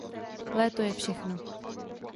Léto je všechno.